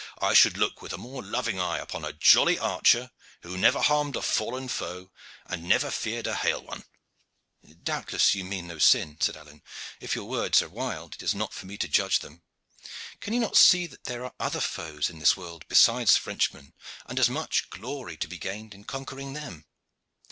I should look with a more loving eye upon a jolly archer who never harmed a fallen foe and never feared a hale one." "Doubtless you mean no sin," said Alleyne. "If your words are wild, it is not for me to judge them. Can you not see that there are other foes in this world besides Frenchmen, and as much glory to be gained in conquering them?